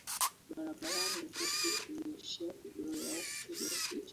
barabarani hupaswi kumnyooshea vidole au kupiga picha